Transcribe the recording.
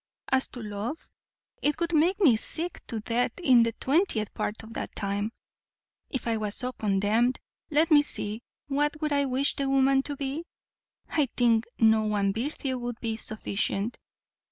As to love, it would make me sick to death in the twentieth part of that time. If I was so condemned, let me see, what would I wish the woman to be? I think no one virtue would be sufficient.